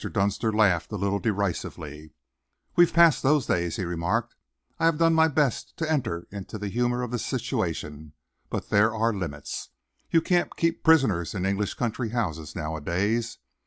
Dunster laughed a little derisively. "We've passed those days," he remarked. "I've done my best to enter into the humour of this situation, but there are limits. You can't keep prisoners in English country houses, nowadays.